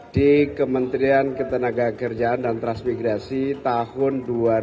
di kementerian ketenaga kerjaan dan transmigrasi tahun dua ribu dua puluh